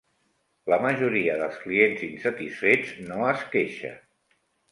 La majoria dels clients insatisfets no es queixa.